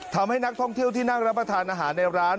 ทำให้นักท่องเที่ยวที่นั่งรับประทานอาหารในร้าน